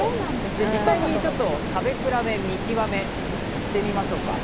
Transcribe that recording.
実際に食べ比べ、見極めしてみましょうか。